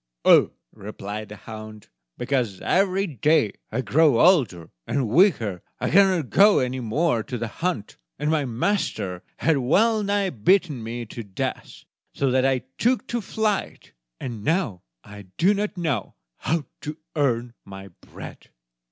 "Ah," replied the hound, "because every day I grow older and weaker; I cannot go any more to the hunt, and my master has well nigh beaten me to death, so that I took to flight; and now I do not know how to earn my bread."